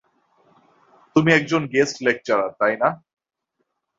তুমি একজন guest lecturer, তাই না?